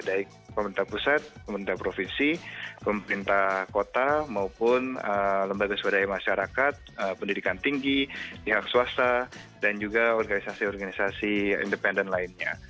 baik pemerintah pusat pemerintah provinsi pemerintah kota maupun lembaga swadaya masyarakat pendidikan tinggi pihak swasta dan juga organisasi organisasi independen lainnya